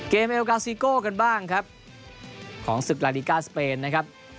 เอลกาซิโก้กันบ้างครับของศึกลาดิก้าสเปนนะครับ